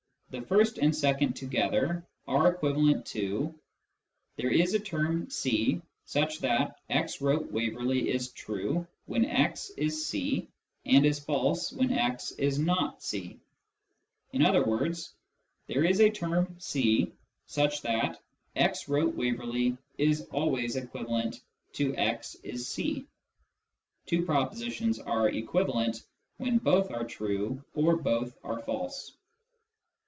The first and second together are equivalent to :" There is a term c such that ' x wrote Waverley ' is true when x is c and is false when x is not c." In other words, " There is a term c such that ' x wrote Waverley ' is always equivalent to ' x is c .'" (Two propositions are " equivalent " when both are true or both are false.)